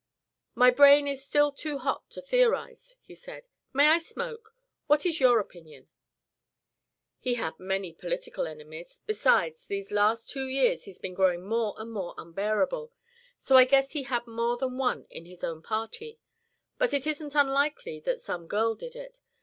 "My brain is still too hot to theorise," he said. "May I smoke? What is your opinion?" "He had many political enemies; besides, these last two years he's been growing more and more unbearable, so I guess he had more than one in his own party. But it isn't unlikely that some girl did it.